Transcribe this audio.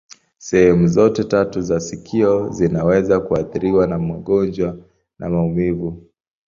Sehemu zote tatu za sikio zinaweza kuathiriwa na magonjwa na maumivu.